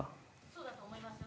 そうだと思います。